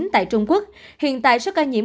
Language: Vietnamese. tại trung quốc hiện tại số ca nhiễm